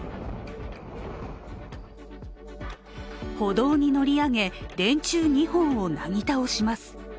歩道に乗り上げ、電柱２本をなぎ倒します。